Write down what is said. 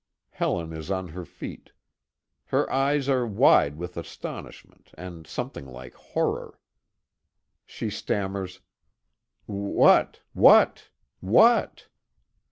Helen is on her feet. Her eyes are wide with astonishment, and something like horror. She stammers: "What what what?"